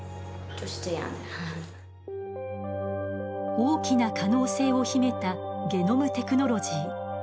大きな可能性を秘めたゲノムテクノロジー。